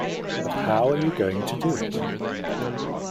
But how are you going to do it.